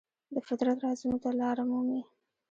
د فطرت رازونو ته لاره مومي.